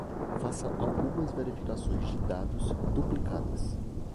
Faça algumas verificações de dados duplicadas